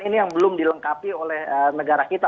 ini yang belum dilengkapi oleh negara kita